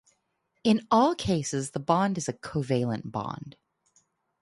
In all cases the bond is a covalent bond.